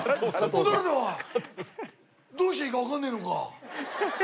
どうしていいかわかんねえのか？